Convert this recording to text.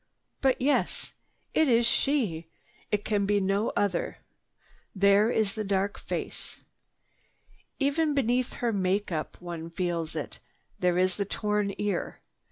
"But yes! It is she! It can be no other. There is the dark face. Even beneath her make up one feels it. There is the torn ear.